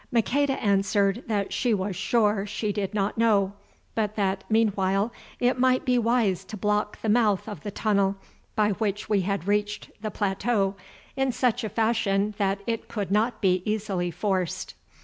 Maqueda answered that she was sure she did not know, but that meanwhile it might be wise to block the mouth of the tunnel by which we had reached the plateau in such a fashion that it could not easily be forced.